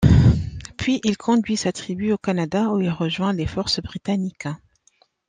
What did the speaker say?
Puis il conduit sa tribu au Canada où il rejoint les forces britanniques.